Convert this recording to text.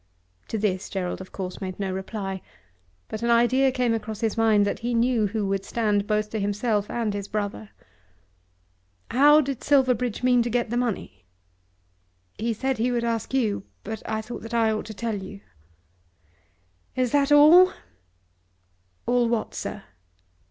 To this Gerald of course made no reply, but an idea came across his mind that he knew who would stand both to himself and his brother. "How did Silverbridge mean to get the money?" "He said he would ask you. But I thought that I ought to tell you." "Is that all?" "All what, sir?"